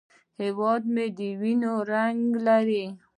هیواد مې د وینو رنګ لري